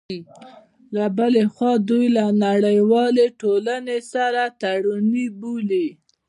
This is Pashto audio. له بلې خوا، دوی له نړیوالې ټولنې سره تړوني بولي